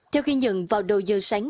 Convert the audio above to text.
theo khi nhận vào đầu giờ sáng